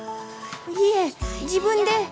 いえ自分で。